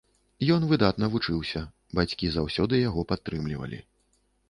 Ён выдатна вучыўся, бацькі заўсёды яго падтрымлівалі.